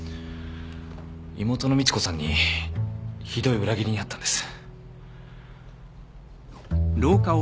妹の美知子さんにひどい裏切りに遭ったんです。